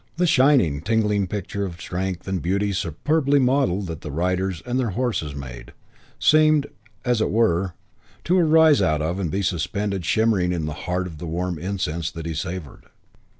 The shining, tingling picture of strength and beauty superbly modelled that the riders and their horses made, seemed, as it were, to arise out of and be suspended shimmering in the heart of the warm incense that he savoured.